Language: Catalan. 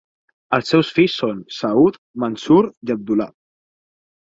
Els seus fills són Saood, Mansoor i Abdulla.